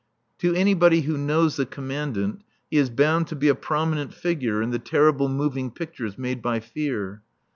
To anybody who knows the Commandant he is bound to be a prominent figure in the terrible moving pictures made by fear.